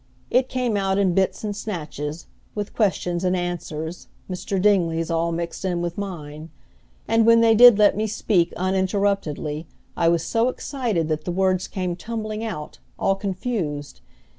It came out in bits and snatches, with questions and answers, Mr. Dingley's all mixed in with mine; and when they did let me speak uninterruptedly I was so excited that the words came tumbling out, all confused.